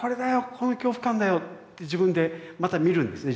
この恐怖感だよ！」って自分でまた見るんですね